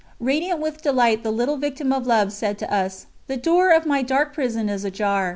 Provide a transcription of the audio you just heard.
Radiant with delight the little Victim of Love said to us: "The door of my dark prison is ajar.